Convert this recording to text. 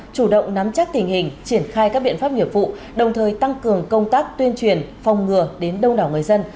chủ động nắm chắc tình hình triển khai các biện pháp nghiệp vụ đồng thời tăng cường công tác tuyên truyền phòng ngừa đến đông đảo người dân